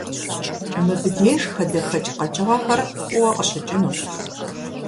Мыбдеж хадэхэкӀ къэкӀыгъэхэр фӀыуэ къыщыкӀынущ.